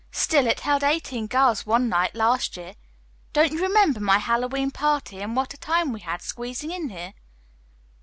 Still, it held eighteen girls one night last year. Don't you remember my Hallowe'en party, and what a time we had squeezing in here?"